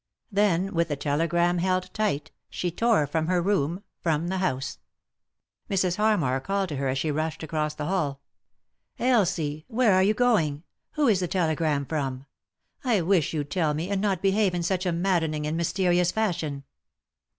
Then, with the telegram held tight, she tore from her room, from the house. Mrs. Harmar called to her as she rushed across the hall, " Elsie 1 where are you going ? Who is the tele gram from ? I wish you'd tell me, and not behave in such a maddening and mysterious fashion."